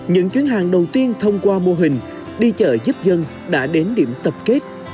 những chuyến hàng đầu tiên thông qua mô hình đi chợ giúp dân đã đến điểm tập kết